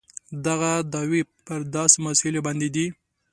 دغه دعوې پر داسې مسایلو باندې دي.